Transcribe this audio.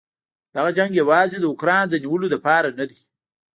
دغه جنګ یواځې د اوکراین د نیولو لپاره نه دی.